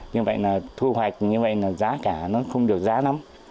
như vậy là thu hoạch như vậy là giá cả nó không được giá lắm